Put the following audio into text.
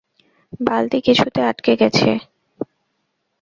বালতি কিছুতে আটকে গেছে।